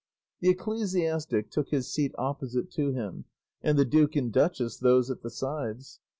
The ecclesiastic took his seat opposite to him, and the duke and duchess those at the sides.